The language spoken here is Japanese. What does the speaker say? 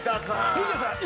藤田さん